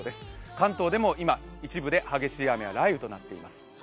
関東でも今、一部で激しい雨や雷雨になっています。